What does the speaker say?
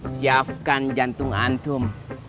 siapkan jantung antum